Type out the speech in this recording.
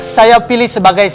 saya pilih sebagai